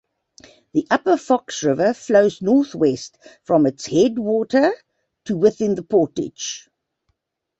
The upper Fox River flows northwest from its headwater to within the Portage.